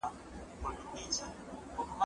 کېدای سي سیر اوږد وي؟!